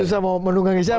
susah mau menunggangin siapa